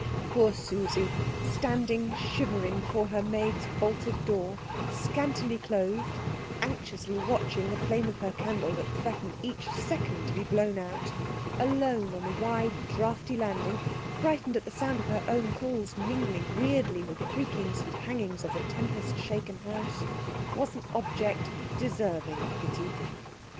Poor Susie, standing shivering before her maid's bolted door, scantily clothed, anxiously watching the flame of her candle that threatened each second to be blown out, alone on the wide, draughty landing, frightened at the sound of her own calls mingling weirdly with the creakings and hangings of the tempest shaken house, was an object deserving of pity.